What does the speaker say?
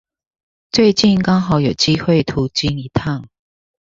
最近剛好有機會途經一趟